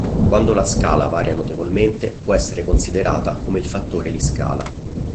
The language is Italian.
Quando la scala varia notevolmente, può essere considerata come il fattore di scala.